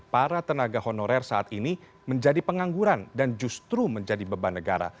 para tenaga honorer saat ini menjadi pengangguran dan justru menjadi beban negara